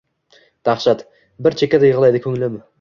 Dahshat. Bir chekkada yig’laydi ko’nglim